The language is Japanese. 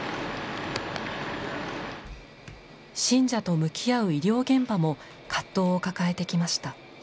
信者と向き合う医療現場も葛藤を抱えてきました。